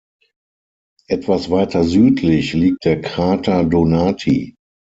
Etwas weiter südlich liegt der Krater Donati.